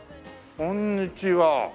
こんにちは。